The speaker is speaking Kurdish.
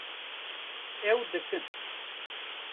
Ew dikin